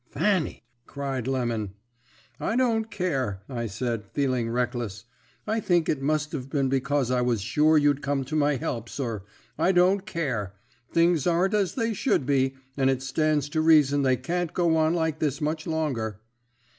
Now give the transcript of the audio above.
"'Fanny!' cried Lemon. "'I don't care,' I said, feeling reckless; I think it must have been because I was sure you'd come to my help, sir. 'I don't care. Things aren't as they should be, and it stands to reason they can't go on like this much longer.'